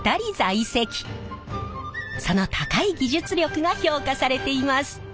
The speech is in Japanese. その高い技術力が評価されています。